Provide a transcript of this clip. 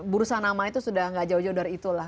burusan nama itu sudah tidak jauh jauh dari itu lah